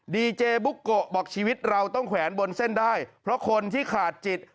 ดีเจบุ๊กโกะบอกชีวิตเราต้องแขวนบนเส้นได้เพราะคนที่ขาดจิต